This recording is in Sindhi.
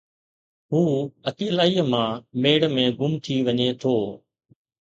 هُو اڪيلائيءَ مان ميڙ ۾ گم ٿي وڃي ٿو